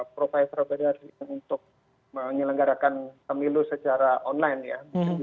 provider beda untuk menyelenggarakan pemilu secara online ya